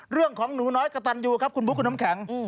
เรื่องของหนูน้อยกะตันอยู่ครับคุณบุ๊คคุณธรรมแข็ง